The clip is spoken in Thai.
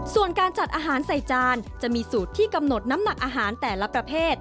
ส่วนการจัดอาหารใส่จานจะมีสูตรที่กำหนดน้ำหนักอาหารแต่ละประเภท